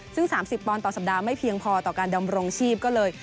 ซึ่ง๓๐ปอนดต่อสัปดาห์ไม่เพียงพอต่อการดำรงชีพก็เลย